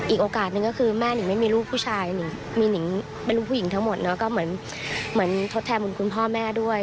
อีกโอกาสหนึ่งคือแม่หนิงไม่มีลูกผู้ชายเหมือนถสแทนมูลคนพ่อแม่ด้วย